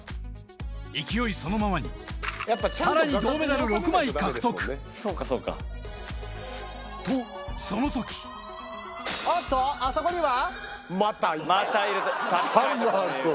勢いそのままにさらに銅メダル６枚獲得とその時おっとあそこには。